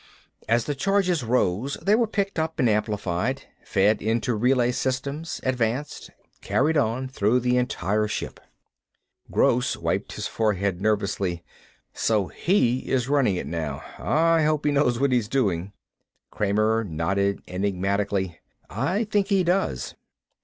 As the charges rose they were picked up and amplified, fed into relay systems, advanced, carried on through the entire ship Gross wiped his forehead nervously. "So he is running it, now. I hope he knows what he's doing." Kramer nodded enigmatically. "I think he does."